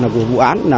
của vụ án